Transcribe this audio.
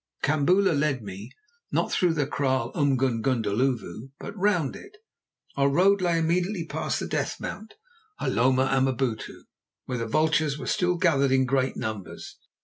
Kambula led me, not through the kraal Umgungundhlovu, but round it. Our road lay immediately past the death mount, Hloma Amabutu, where the vultures were still gathered in great numbers.